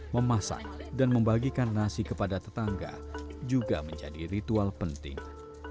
memasak dan membagikan nasi kepada tetangga juga menjadi ritual penting